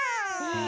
え